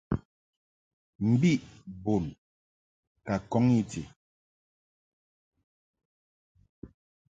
Mbi bun ka kɔn I ti.